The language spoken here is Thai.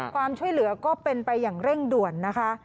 ความช่วยเหลือก็เป็นไปอย่างเร่งด่วนนะคะ